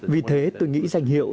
vì thế tôi nghĩ danh hiệu